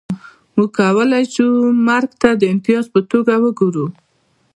موږ کولای شو مرګ ته د امتیاز په توګه وګورو